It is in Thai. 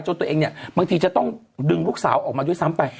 ตัวเองเนี่ยบางทีจะต้องดึงลูกสาวออกมาด้วยซ้ำไป